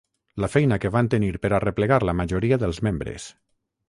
La feina que van tenir per arreplegar la majoria dels membres.